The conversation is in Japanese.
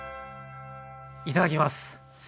いただきます！